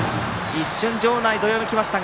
一瞬場内、どよめきました。